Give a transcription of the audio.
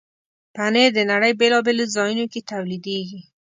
پنېر د نړۍ بیلابیلو ځایونو کې تولیدېږي.